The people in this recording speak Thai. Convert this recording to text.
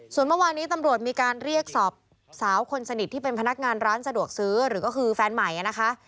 ส่วนเมื่อวานี้ตำรวจมีการเรียกสอบสาวคนสนิทที่เป็นพนักงานร้านสะดวกซื้อหรือก็คือแฟนใหม่นะคะ